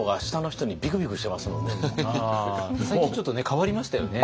ああ最近ちょっとね変わりましたよね。